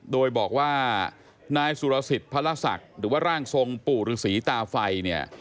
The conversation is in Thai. โดยบอกว่านายสุรสิทธิ์พระราชสักษ์หรือว่าร่างทรงปู่ศรีตาไฟ